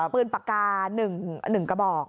ปืนปากกา๑กระบอก